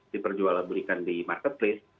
diperjualan diberikan di marketplace